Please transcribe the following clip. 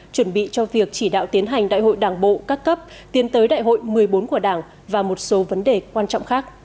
chuẩn bị cho việc chỉ đạo tiến hành đại hội đảng bộ các cấp tiến tới đại hội một mươi bốn của đảng và một số vấn đề quan trọng khác